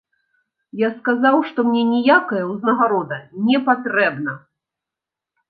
Я сказаў, што мне ніякая ўзнагарода не патрэбна.